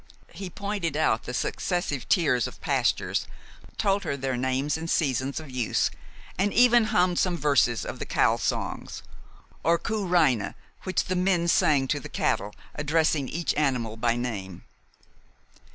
He pointed out the successive tiers of pastures, told her their names and seasons of use, and even hummed some verses of the cow songs, or Kuh reihen, which the men sing to the cattle, addressing each animal by name.